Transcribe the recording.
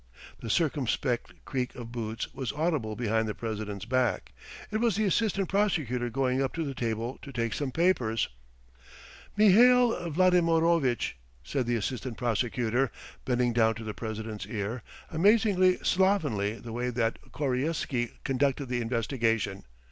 The circumspect creak of boots was audible behind the president's back. It was the assistant prosecutor going up to the table to take some papers. "Mihail Vladimirovitch," said the assistant prosecutor, bending down to the president's ear, "amazingly slovenly the way that Koreisky conducted the investigation.